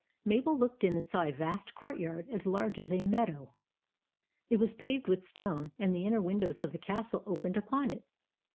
Mabel looked in and saw a vast courtyard as large as a meadow. It was paved with stone, and the inner windows of the castle opened upon it.